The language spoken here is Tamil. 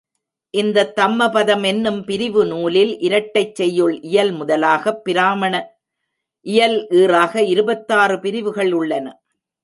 இந்தத் தம்மபதம் என்னும் பிரிவுநூலில், இரட்டைச் செய்யுள் இயல் முதலாகப் பிராமண இயல் ஈறாக இருபத்தாறு பிரிவுகள் உள்ளன.